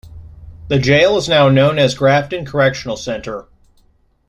The jail is now known as Grafton Correctional Centre.